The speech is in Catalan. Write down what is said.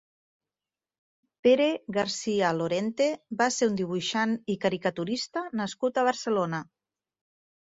Pere García Lorente va ser un dibuixant i caricaturista nascut a Barcelona.